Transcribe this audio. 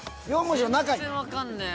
４文字の中に。